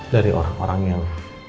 dari orang orang yang